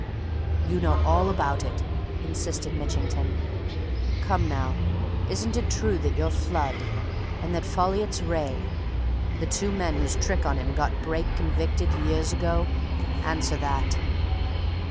"You know all about it;" insisted Mitchington. "Come, now, isn't it true that you're Flood, and that Folliot's Wraye, the two men whose trick on him got Brake convicted years ago? Answer that!"